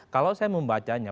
kalau saya membacanya